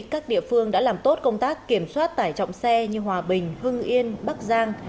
các địa phương đã làm tốt công tác kiểm soát tải trọng xe như hòa bình hưng yên bắc giang